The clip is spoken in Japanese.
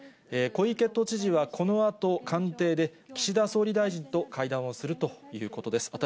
小池都知事はこのあと、官邸で岸田総理大臣と会談をするということです。